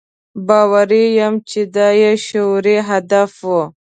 باوري یم چې دا یې شعوري هدف و.